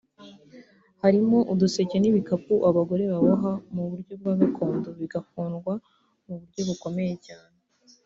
harimo uduseke n’ibikapu abagore baboha mu buryo bwa gakondo bigakundwa mu buryo bukomeye cyane